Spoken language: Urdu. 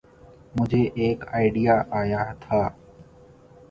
مجھے ایک آئڈیا آیا تھا۔